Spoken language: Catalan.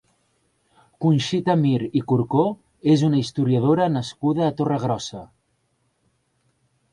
Conxita Mir i Curcó és una historiadora nascuda a Torregrossa.